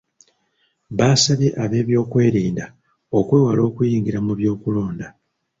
Baasabye ab’ebyokwerinda okwewala okuyingira mu byokulonda.